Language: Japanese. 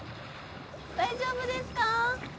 大丈夫ですか？